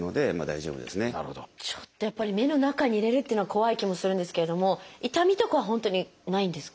ちょっとやっぱり目の中に入れるっていうのは怖い気もするんですけれども痛みとかは本当にないんですか？